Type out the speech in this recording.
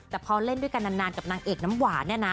แต่พอเล่นด้วยกันนานกับนางเอกน้ำหวานเนี่ยนะ